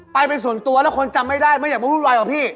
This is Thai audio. ไปเป็นส่วนตัวแล้วคนจำไม่ได้ไม่อยากมาวุ่นวายหรอกพี่